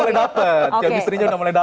kemistrinya sudah mulai dapat